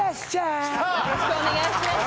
よろしくお願いします